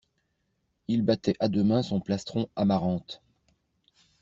Il battait à deux mains son plastron amarante.